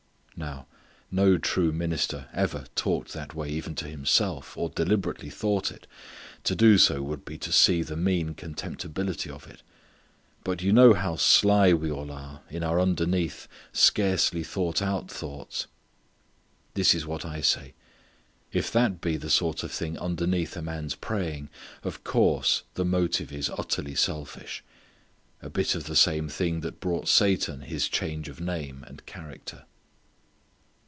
Now no true minister ever talked that way even to himself or deliberately thought it. To do so would be to see the mean contemptibility of it. But you know how sly we all are in our underneath scarcely thought out thoughts. This is what I say: if that be the sort of thing underneath a man's praying of course the motive is utterly selfish; a bit of the same thing that brought Satan his change of name and character.